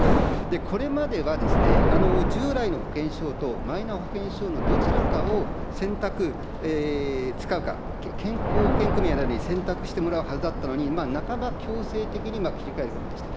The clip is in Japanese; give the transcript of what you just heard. これまではですね、従来の保険証とマイナ保険証のどちらかを選択、使うか、健康保険組合に選択してもらうはずだったのに、なかば強制的に切り替えるものでした。